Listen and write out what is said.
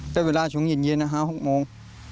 แต่เวลาช่วงหยิดเย็นอาหาร๖โมง